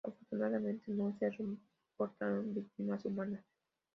Afortunadamente, no se reportaron víctimas humanas.